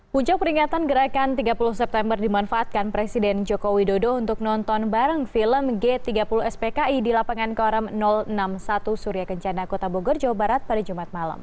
puncak peringatan gerakan tiga puluh september dimanfaatkan presiden joko widodo untuk nonton bareng film g tiga puluh spki di lapangan korem enam puluh satu surya kencana kota bogor jawa barat pada jumat malam